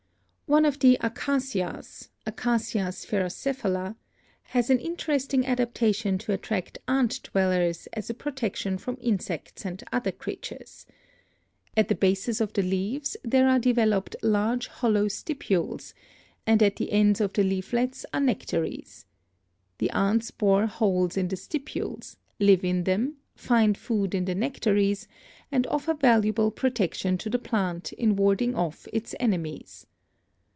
One of the acacias (Acacia sphaerocephala) has an interesting adaptation to attract ant dwellers as a protection from insects and other creatures. At the bases of the leaves there are developed large hollow stipules and at the ends of the leaflets are nectaries. The ants bore holes in the stipules, live in them, find food in the nectaries 280 BIOLOGY and offer valuable protection to the plant in warding off its enemies.